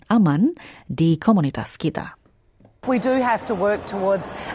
aman di komunitas kita